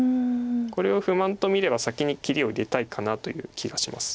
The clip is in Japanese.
これを不満と見れば先に切りを入れたいかなという気がします。